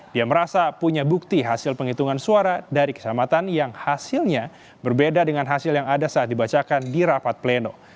dia merasa punya bukti hasil penghitungan suara dari kecamatan yang hasilnya berbeda dengan hasil yang ada saat dibacakan di rapat pleno